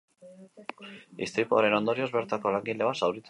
Istripuaren ondorioz, bertako langile bat zauritu da.